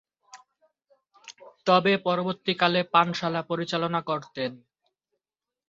তবে, পরবর্তীকালে পানশালা পরিচালনা করতেন।